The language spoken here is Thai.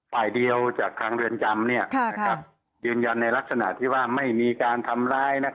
ฝ่ายเดียวจากทางเรือนจำยืนยันในลักษณะที่ว่าไม่มีการทำร้าย